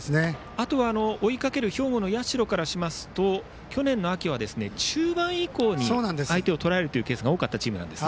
あとは追いかける兵庫の社高校からしますと去年秋は中盤以降に相手をとらえるケースが多かったチームです。